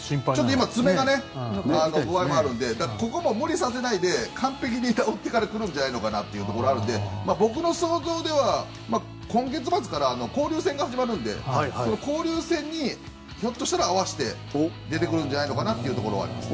爪の具合もあるのでそこも無理をさせないで完璧に治ってからくると思うので僕の想像では今月末から交流戦が始まるので交流戦にひょっとしたら合わせて出てくるんじゃないかというのがあります。